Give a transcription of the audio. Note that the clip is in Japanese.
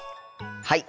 はい！